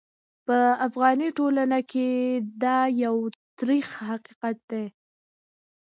په افغاني ټولنه کې دا یو ترخ حقیقت دی.